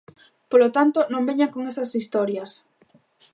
Polo tanto, ¡non veñan con esas historias!